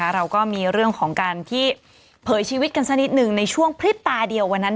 เราก็มีเรื่องของการที่เผยชีวิตกันสักนิดหนึ่งในช่วงพริบตาเดียววันนั้น